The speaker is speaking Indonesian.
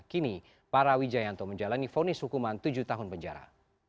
kini para wijayanto menjalani fonis hukuman tujuh tahun penjara